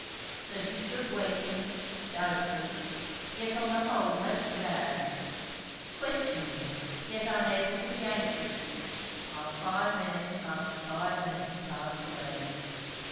So she stood waiting; doubtful, yet on the whole most glad; questioning, yet unable to be anxious; while five minutes after five minutes passed away.